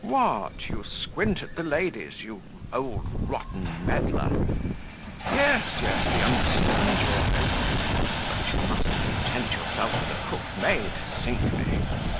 What! you squint at the ladies, you old rotten medlar? Yes, yes, we understand your ogling; but you must content yourself with a cook maid, sink me!